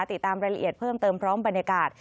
ติดตามรายละเอียดเพิ่มเติมพร้อมบรรยากาศ